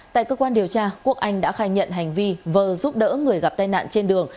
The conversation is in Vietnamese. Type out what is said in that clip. tại cơ quan điều tra quốc anh đã khai nhận hành vi vờ giúp đỡ người gặp tai nạn trên đường